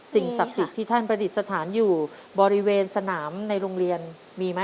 ศักดิ์สิทธิ์ที่ท่านประดิษฐานอยู่บริเวณสนามในโรงเรียนมีไหม